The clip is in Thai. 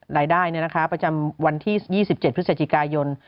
รายได้ประจำวันที่๒๗พฤศจิกายน